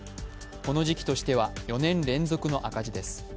この時期としては４年連続の赤字です。